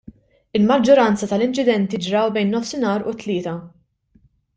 Il-maġġoranza tal-inċidenti ġraw bejn nofsinhar u t-tlieta.